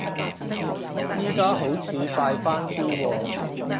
而家好似快返啲喎